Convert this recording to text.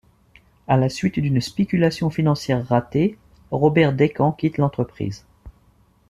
À la suite d'une spéculation financière ratée, Robert Descamps quitte l'entreprise.